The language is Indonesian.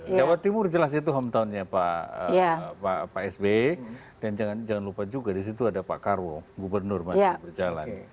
jawa timur jelas itu hometownnya pak sbe dan jangan lupa juga di situ ada pak karwo gubernur masih berjalan